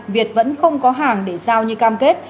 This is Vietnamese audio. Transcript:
việt vẫn không có hàng để giao như cam kết